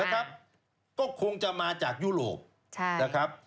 ก็คงจะมาจากยุโรป